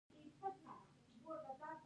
وادي د افغان تاریخ په کتابونو کې ذکر شوی دي.